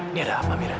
ini ada apa amira